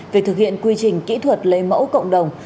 về thực hiện quy trình kỹ thuật lấy mẫu cộng đồng